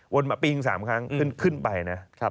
มาปีถึง๓ครั้งขึ้นไปนะ